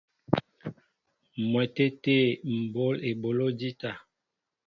M̀wɛtê tê m̀ bǒl eboló jíta.